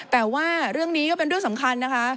แต่ว่าเรื่องนี้ก็เป็นเรื่องสำคัญนะคะ